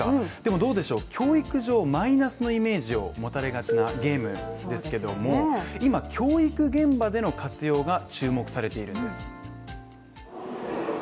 教育上マイナスのイメージを持たれがちなゲームですけども、今教育現場での活用が注目されているんです。